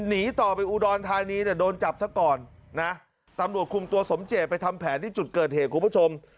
หนีต่อไปอุดรธานีเนี่ยโดนจับซะก่อนนะตำรวจคุมตัวสมเจตไปทำแผนที่จุดเกิดเหตุคุณผู้ชม